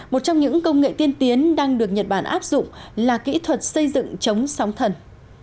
một trong những công nghệ tiên tiến đang được nhật bản áp dụng là kỹ thuật xây dựng chống sóng thần